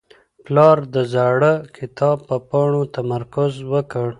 پلار د زاړه کتاب په پاڼو تمرکز وکړ.